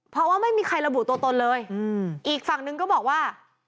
เพราะว่าไม่มีใครระบุตัวตนเลยอีกฝั่งนึงก็บอกว่า